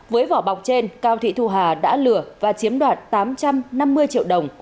với vỏ bọc trên cao thị thu hà đã lừa và chiếm đoạt tám triệu đồng